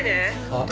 あっ。